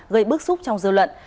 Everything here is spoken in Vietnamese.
gây bức xúc trong dư luận